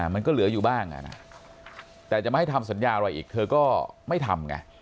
มันก็เหลืออยู่บ้างแต่จะไม่ให้ทำสัญญาอะไรอีกเธอก็ไม่ทำไง